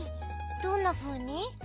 どんなふうに？